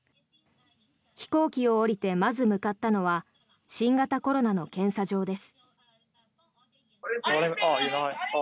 飛行機を降りてまず向かったのは新型コロナの検査場です。